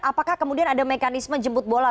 apakah kemudian ada mekanisme jemput bola